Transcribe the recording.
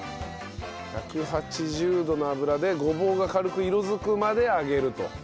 １８０度の油でごぼうが軽く色付くまで揚げると。